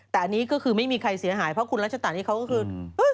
แต่อันนี้ก็คือไม่มีใครเสียหายเพราะคุณรัชตะนี่เขาก็คือ